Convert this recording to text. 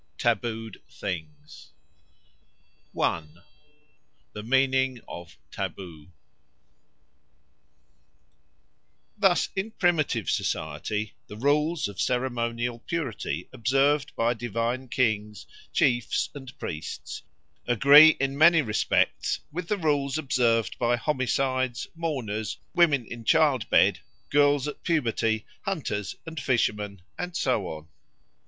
Tabooed Things 1. The Meaning of Taboo THUS in primitive society the rules of ceremonial purity observed by divine kings, chiefs, and priests agree in many respects with the rules observed by homicides, mourners, women in childbed, girls at puberty, hunters and fishermen, and so on.